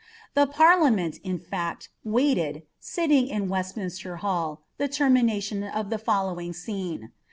The parliament, in fact, waited, ■iliojin Westminster Hall, the termination of the fitllowing scene.